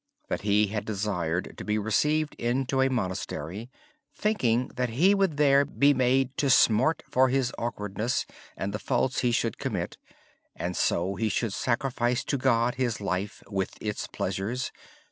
He finally decided to enter a monastery thinking that he would there be made to smart for his awkwardness and the faults he would commit, and so he would sacrifice his life with its pleasures to God.